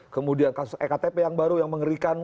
kemudian kasus ektp yang baru yang mengerikan